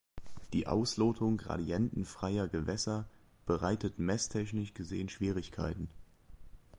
Die Auslotung gradientenfreier Gewässer bereitet messtechnisch gesehen Schwierigkeiten.